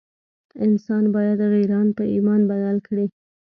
انسان باید غیران په ایمان بدل کړي.